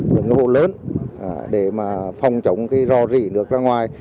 những hồ lớn để phòng chống ro rỉ nước ra ngoài